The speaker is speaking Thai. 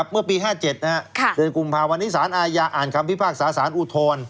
เมื่อปี๕๗เดือนกุมภาวันนี้สารอาญาอ่านคำพิพากษาสารอุทธรณ์